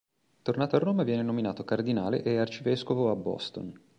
Tornato a Roma viene nominato Cardinale e Arcivescovo a Boston.